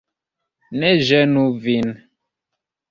Ne ĝenu vin!